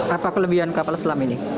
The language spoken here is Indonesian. apa kelebihan kapal selam ini